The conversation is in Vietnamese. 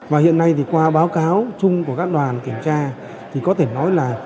và hiện nay thì qua báo cáo chung của các đoàn kiểm tra thì có thể nói là